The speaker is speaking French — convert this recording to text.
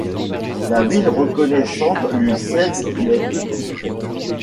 La ville reconnaissante lui cède les petits près.